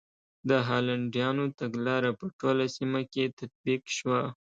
د هالنډیانو تګلاره په ټوله سیمه کې تطبیق شوه.